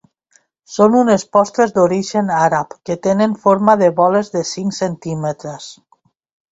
Són unes postres d'origen àrab que tenen forma de boles de cinc centímetres.